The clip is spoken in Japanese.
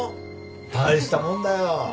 大したもんだよ。